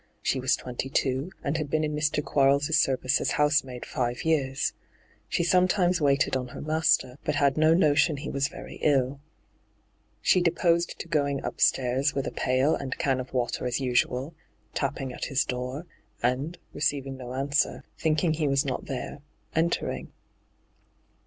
She was twenty two, and had been in Mr. Quarles' service as housemaid five years. She some times waited on her master, but had no notion he was very ill. She deposed to going upstairs with a pail and can of water as usual, tapping at his door, and, receiving no answer, thinking he was not there, entering.